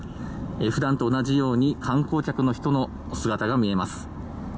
普段と同じように観光客の人の姿が見えます。